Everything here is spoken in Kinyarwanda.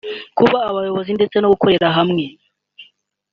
kuba abayobozi ndetse no gukorera hamwe